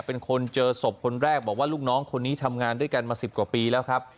เป็นคนเจอศพคนแรกบอกว่าลูกน้องคนนี้ทำงานด้วยกันมา๑๐กว่าปีแล้วครับ